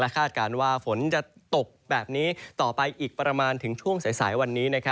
คาดการณ์ว่าฝนจะตกแบบนี้ต่อไปอีกประมาณถึงช่วงสายวันนี้